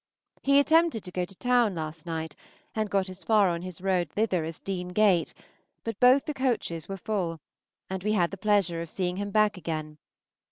He attempted to go to town last night, and got as far on his road thither as Dean Gate; but both the coaches were full, and we had the pleasure of seeing him back again.